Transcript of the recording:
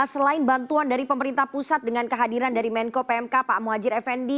selain bantuan dari pemerintah pusat dengan kehadiran dari menko pmk pak muhajir effendi